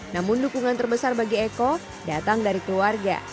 namun dukungan terbesar bagi eko datang dari keluarga